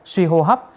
suy hô hấp